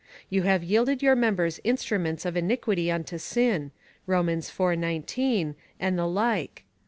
You have yielded your members insti^uments of ini quity unto sin, (Rom. vi. 19,) and the like.